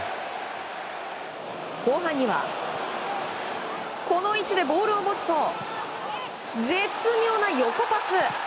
後半にはこの位置でボールを持つと絶妙な横パス！